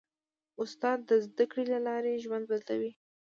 استاد د زدهکړې له لارې ژوند بدلوي.